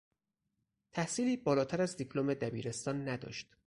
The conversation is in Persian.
تحصیلی بالاتر از دیپلم دبیرستان نداشت.